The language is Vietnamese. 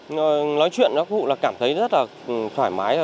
nói chuyện nó cũng là cảm thấy rất là thoải mái